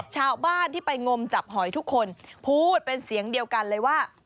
ชาวบ้านที่ไปงมจับหอยทุกคนพูดเป็นเสียงเดียวกันเลยว่า